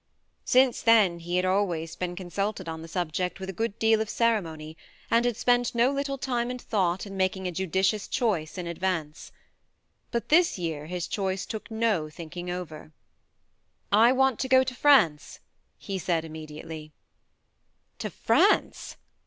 ..." Since then he had always been con sulted on the subject with a good deal of ceremony, and had spent no little time and thought in making a judicious choice in advance. But this year his choice took no thinking over. "I want to go to France," he said immediately. " To France